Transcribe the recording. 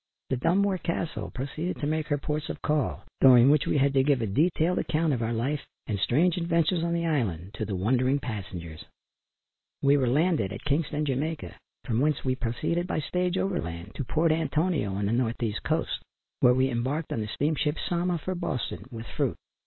The Dunmore Castle proceeded to make her ports of call, during which we had to give a detailed account of our life and strange adventures on the island, to the wondering passengers. We were landed at Kingston, Jamaica, from whence we proceeded by stage over land to Port Antonio on the north east coast, where we embarked on the steamship Sama, for Boston, with fruit.